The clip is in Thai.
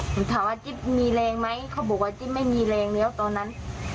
หนูถามว่าจิ๊บมีแรงไหมเขาบอกว่าจิ๊บไม่มีแรงแล้วตอนนั้น